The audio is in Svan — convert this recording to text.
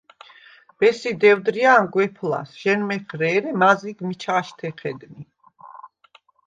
ბესი დევდრია̄ნ გვეფ ლას: ჟ’ენმეჴრე, ერე მაზიგ მიჩა̄შთე ჴედნი.